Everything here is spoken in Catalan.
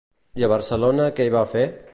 I a Barcelona què hi va fer?